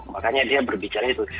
makanya dia berbicara itu